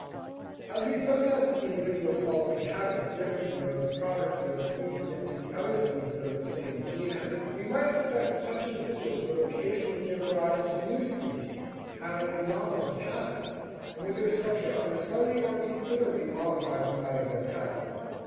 As we sometimes see individuals following habits different from those proper to their species and to the other species of the same genus, we might expect that such individuals would occasionally give rise to new species, having anomalous habits, and with their structure either slightly or considerably modified from that of their type.